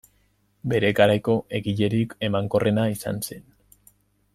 Bere garaiko egilerik emankorrena izan zen.